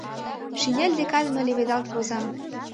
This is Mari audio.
Шинель денак мый леведалт возам...»